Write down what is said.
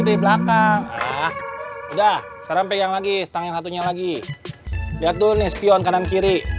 di belakang udah sekarang pegang lagi stang yang satunya lagi lihat dulu nih spion kanan kiri